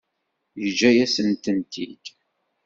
Yeǧǧa-yasent-t-id.